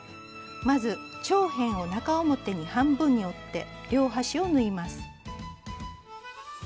まず長辺を中表に半分に折って両端を縫います。